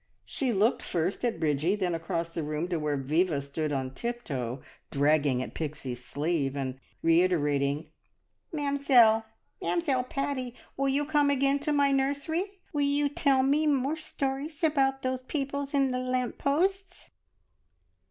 She looked first at Bridgie, then across the room to where Viva stood on tiptoe dragging at Pixie's sleeve, and reiterating, "Mamzelle! Mamzelle Paddy, will you come again to my nursery? Will you tell me more stories about those peoples in the lamp posts?"